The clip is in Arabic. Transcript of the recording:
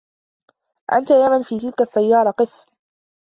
أنت يا من في تلك السيارة! قِف!